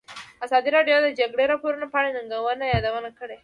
ازادي راډیو د د جګړې راپورونه په اړه د ننګونو یادونه کړې.